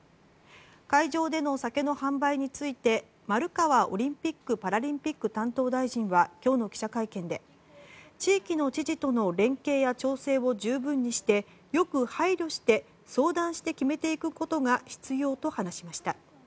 会場での酒の販売について丸川オリンピック・パラリンピック担当大臣は今日の記者会見で地域の知事との連携や調整を十分にしてよく配慮して相談して決めていくことが必要と話しました。